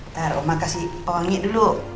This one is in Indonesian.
ntar mama kasih wangi dulu